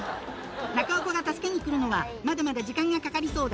中岡が助けに来るのは、まだまだ時間がかかりそうだ。